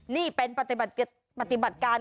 นี่เป็นปฏิบัติการ